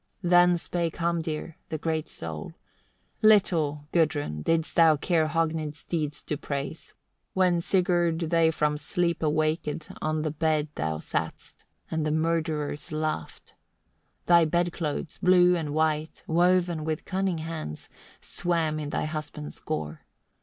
6. Then spake Hamdir, the great of soul, "Little, Gudrun! didst thou care Hogni's deed to praise, when Sigurd they from sleep awaked on the bed thou satst, and the murderers laughed. 7. "Thy bed clothes, blue and white, woven by cunning hands, swam in thy husband's gore.